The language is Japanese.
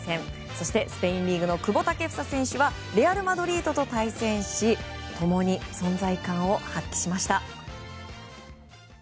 そしてスペインリーグの久保建英選手はレアル・マドリードと対戦し共に存在感を発揮しました。